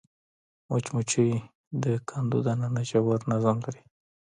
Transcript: مچمچۍ د کندو دننه ژور نظم لري